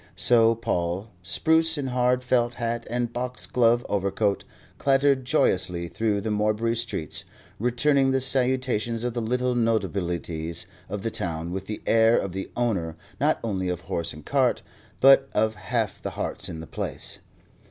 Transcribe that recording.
So Paul, spruce in hard felt hat and box cloth overcoat, clattered joyously through the Morebury streets, returning the salutations of the little notabilities of the town with the air of the owner not only of horse and cart, but of half the hearts in the place.